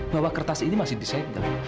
bahwa kertas ini masih disegel